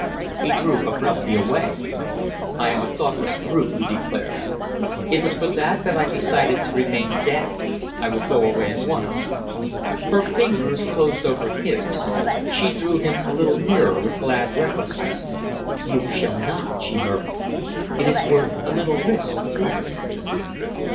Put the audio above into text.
He drew abruptly away. "I am a thoughtless brute," he declared. "It was for that that I decided to remain dead. I will go away at once." Her fingers closed over his. She drew him a little nearer with glad recklessness. "You shall not," she murmured. "It is worth a little risk, this."